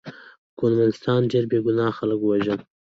کمونستانو ډېر بې ګناه خلک ووژل